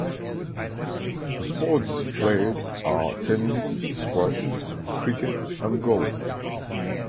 The sports played are tennis, squash, cricket and golf.